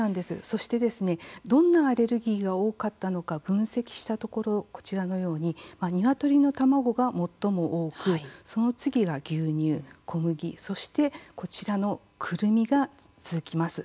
そしてどんなアレルギーが多かったのか分析したところ、こちらのようににわとりの卵が最も多くその次が牛乳、小麦、そしてこちらのくるみが続きます。